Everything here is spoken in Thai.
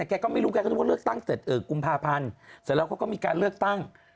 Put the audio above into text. ใครคนดังมาเลือกตั้ง